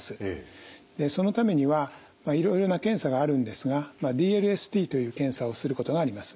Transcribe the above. そのためにはいろいろな検査があるんですがＤＬＳＴという検査をすることがあります。